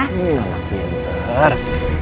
hmm anak pinter